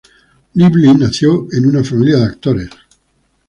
Lively nació en una familia de actores.